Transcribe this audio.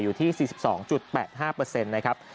อยู่ที่๔๒๘๕เปอร์เซ็นต์นะครับ